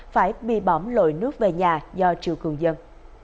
phải bị bỏng lội nước về nhà do triều cường dân